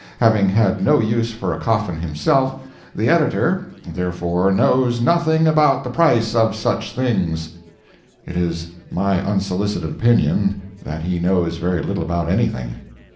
Having had no use for a coffin himself, the editor "therefore knows nothing about the price of such things." It is my unsolicited opinion that he knows very little about anything.